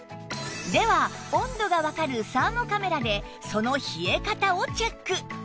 では温度がわかるサーモカメラでその冷え方をチェック